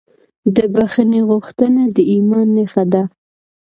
د بښنې غوښتنه د ایمان نښه ده.